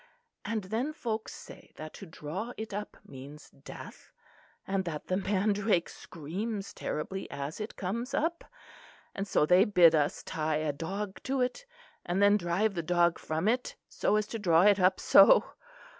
And then folks say that to draw it up means death; and that the mandrake screams terribly as it comes up; and so they bid us tie a dog to it, and then drive the dog from it so as to draw it up so.